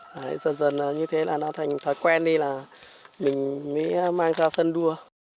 rồi dần dần như thế là nó thành thói quen đi là mình mới mang ra sân đua